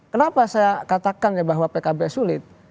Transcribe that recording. kenapa saya katakan ya bahwa pkb sulit